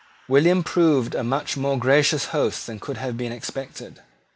William proved a much more gracious host than could have been expected.